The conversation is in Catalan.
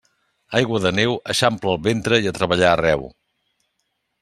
Aigua de neu eixampla el ventre i a treballar arreu.